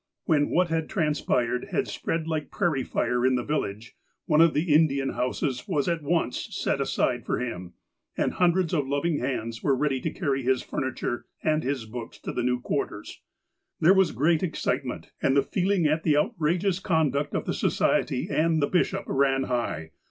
When what had transpired had spread like a prairie fire in the village, one of the Indian houses was at once set aside for him, and hundreds of loving hands were ready to carry his farniture and his books to the new quarters. There was great excitement, and the feel ing at the outrageous conduct of the Society and the bishop ran high.